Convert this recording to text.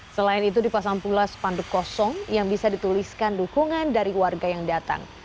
selain itu dipasang pula spanduk kosong yang bisa dituliskan dukungan dari warga yang datang